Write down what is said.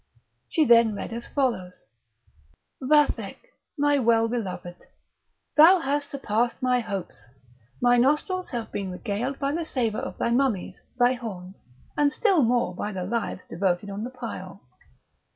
She then read as follows: "Vathek, my well beloved, thou hast surpassed my hopes; my nostrils have been regaled by the savour of thy mummies, thy horns, and still more by the lives devoted on the pile.